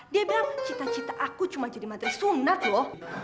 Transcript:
dia bilang cita cita aku cuma jadi materi sunat loh